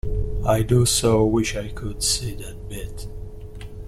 I do so wish I could see that bit!